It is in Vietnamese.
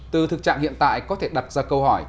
từ thực trạng hiện tại có thể đặt ra câu hỏi